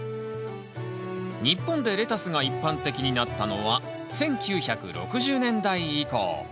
日本でレタスが一般的になったのは１９６０年代以降。